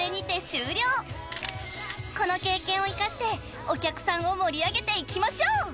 ［この経験を生かしてお客さんを盛り上げていきましょう！］